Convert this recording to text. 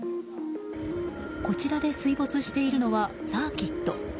こちらで水没しているのはサーキット。